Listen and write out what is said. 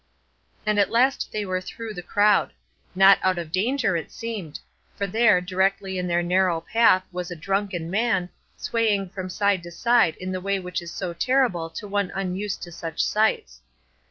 And at last they were through the crowd. Not out of danger, it seemed; for there, directly in their narrow path, was a drunken man, swaying from side to side in the way which is so terrible to one unused to such sights.